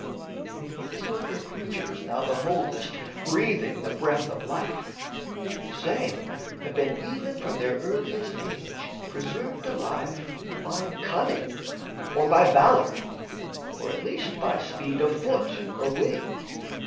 For whatsoever creatures thou beholdest Breathing the breath of life, the same have been Even from their earliest age preserved alive By cunning, or by valour, or at least By speed of foot or wing.